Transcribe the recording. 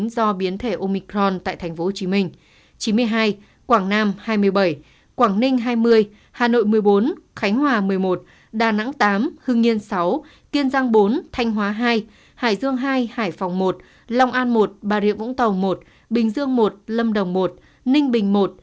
do biến thể umicron tại tp hcm chín mươi hai quảng nam hai mươi bảy quảng ninh hai mươi hà nội một mươi bốn khánh hòa một mươi một đà nẵng tám hưng yên sáu kiên giang bốn thanh hóa hai hải dương hai hải phòng một long an một bà rịa vũng tàu một bình dương một lâm đồng một ninh bình i